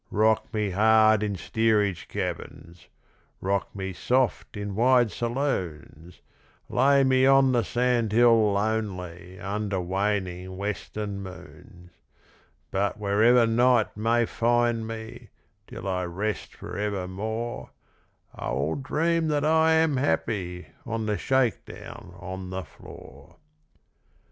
Rock me hard in steerage cabins, Rock me soft in wide saloons, Lay me on the sand hill lonely Under waning western moons; But wherever night may find me Till I rest for evermore I will dream that I am happy On the shake down on the floor.